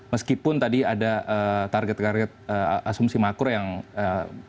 meskipun tadi ada target target asumsi makro yang ee